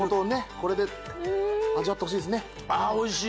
これで味わってほしいですねああおいしい！